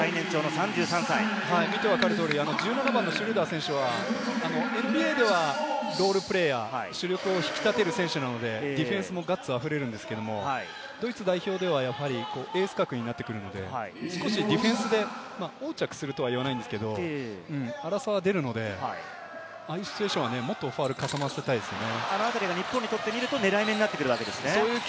見て分かる通り、シュルーダー選手はＮＢＡではロールプレーヤー、主力を引き立てる選手なので、ディフェンスもガッツあふれるんですが、ドイツ代表ではエース格になってくるので、少しディフェンスで横着するとはいわないんですけれども、荒さは出るので、ああいうシチュエーションはもっとファウルをかさませたいですね。